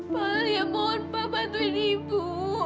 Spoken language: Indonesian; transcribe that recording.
pak liat mohon pak bantuin ibu